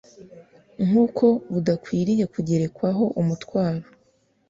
nkuko budakwiriye kugerekwaho umutwaro